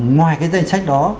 ngoài cái danh sách đó